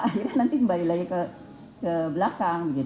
akhirnya nanti kembali lagi ke belakang